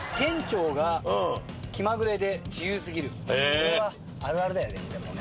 これはあるあるだよでもね。